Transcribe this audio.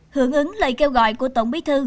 hưởng ứng lời kêu gọi của tổng bí thư